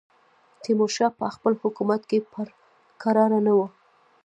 تیمورشاه په خپل حکومت کې پر کراره نه وو.